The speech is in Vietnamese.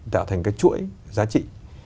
tạo thành cái chuỗi giá trị